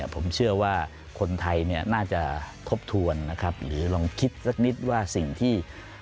ผมเชื่อว่าคนไทยเนี่ยน่าจะทบทวนนะครับหรือลองคิดสักนิดว่าสิ่งที่